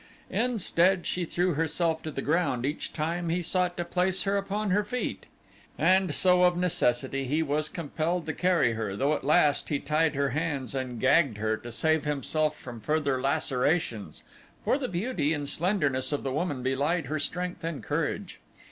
Instead she threw herself to the ground each time he sought to place her upon her feet, and so of necessity he was compelled to carry her though at last he tied her hands and gagged her to save himself from further lacerations, for the beauty and slenderness of the woman belied her strength and courage.